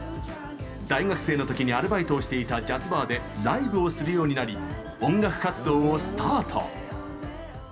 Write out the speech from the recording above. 大学生のときにアルバイトをしていたジャズバーでライブをするようになり音楽活動をスタート。